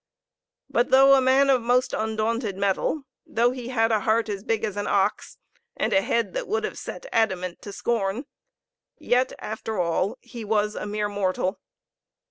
But though a man of most undaunted mettle though he had a heart as big as an ox, and a head that would have set adamant to scorn yet after all he was a mere mortal.